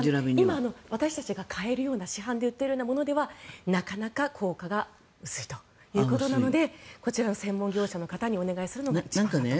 今私たちが買えるような市販で売ってるものではなかなか効果が薄いということなのでこちらの専門業者の方にお願いするのが一番と。